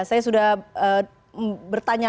saya sudah bertanya